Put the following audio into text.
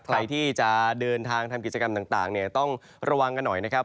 ใครที่จะเดินทางทำกิจกรรมต่างเนี่ยต้องระวังกันหน่อยนะครับ